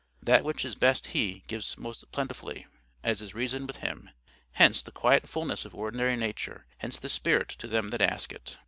That which is best He gives most plentifully, as is reason with Him. Hence the quiet fulness of ordinary nature; hence the Spirit to them that ask it.